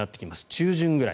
中旬ぐらい。